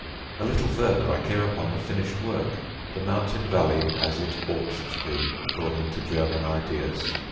A little further I came upon the finished work the mountain valley as it ought to be, according to German ideas.